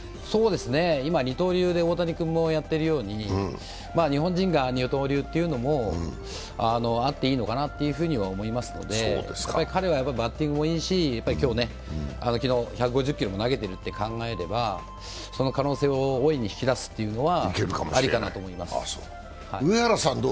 今、二刀流で大谷君もやっているように日本人が二刀流というのもあっていいのかなというふうに思いますので彼はバッティングもいいし、昨日１５０キロも投げているというのを考えればその可能性を大いに引き出すというのは、ありかなと思います。